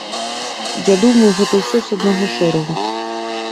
Я думаю, гэта ўсё з аднаго шэрагу.